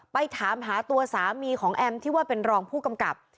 ไปถามหาตัวสามีของแอมที่ว่าเป็นรองผู้กำกับ